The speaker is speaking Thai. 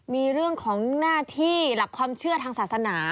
มีเรื่องของหน้าที่หลักความเชื่อทางศาสนา